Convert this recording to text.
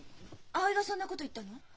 葵がそんなこと言ったの？